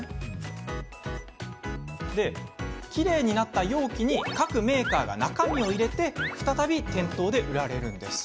きれいになった容器に各メーカーが中身を入れて再び店頭で売られます。